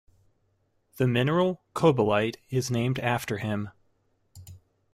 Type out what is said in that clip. The mineral kobellite is named after him.